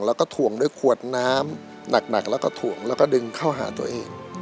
แล้วก็ถ่วงด้วยขวดน้ำหนักแล้วก็ถ่วงแล้วก็ดึงเข้าหาตัวเอง